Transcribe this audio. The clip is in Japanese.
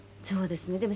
「そうですね。